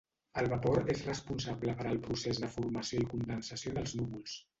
El vapor és responsable per al procés de formació i condensació dels núvols.